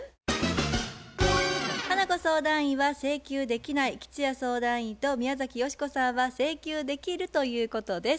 花子相談員は「請求できない」吉弥相談員と宮崎美子さんは「請求できる」ということです。